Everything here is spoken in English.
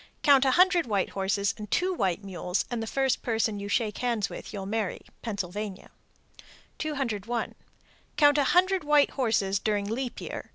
Count a hundred white horses and two white mules, and the first person you shake hands with you'll marry. Pennsylvania. 201. Count a hundred white horses during leap year.